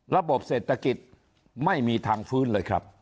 ระบบเศรษฐกิจไม่มีทางฟื้นเลยครับ